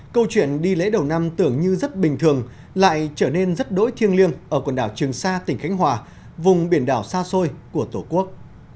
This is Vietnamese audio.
câu chuyện đi lễ đầu năm tưởng như rất bình thường lại trở nên rất đỗi thiêng liêng ở quần đảo trường sa tỉnh khánh hòa vùng biển đảo xa xôi của tổ quốc